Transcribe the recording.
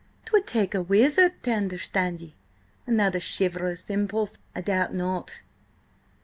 "'Twould take a wizard to understand ye! Another chivalrous impulse, I doubt not?"